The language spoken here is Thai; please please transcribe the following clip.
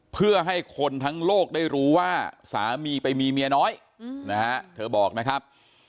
เพื่อให้คนทั้งโลกได้รู้ว่าสามีไปมีเมียน้อยนะฮะเธอบอกนะครับ